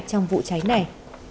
trong vụ cháy này